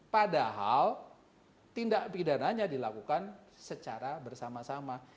padahal tindak pidananya dilakukan secara bersama sama